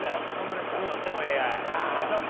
でも、ＡＩ。